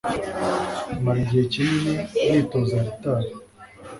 Mara igihe kinini nitoza gitari.